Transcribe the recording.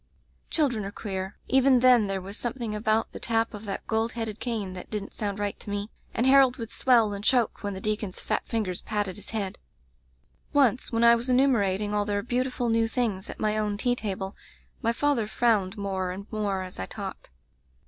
"Children are queer. Even then there was something about the tap of that gold headed cane that didn't sound right to me; Digitized by LjOOQ IC A Dispensation and Harold would swell and choke when the deacon's fat fingers patted his head. "Once when I was enumerating all their beautiful new things at my own tea table, my father frowned more and more as I talked.